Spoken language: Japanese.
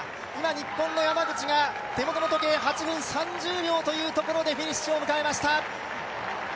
日本の山口が手元の時計、８分３０秒というところでフィニッシュを迎えました。